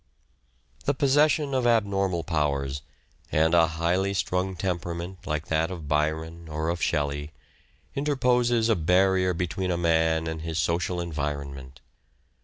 The possession of abnormal powers, and a highly A man strung temperament like that of Byron or of Shelley, interposes a barrier between a man and his social tlonal environment.